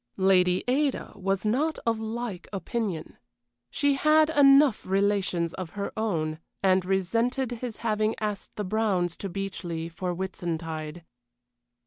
Lady Ada was not of like opinion; she had enough relations of her own, and resented his having asked the Browns to Beechleigh for Whitsuntide.